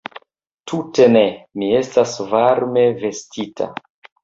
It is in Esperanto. Tute ne, mi estas varme vestita.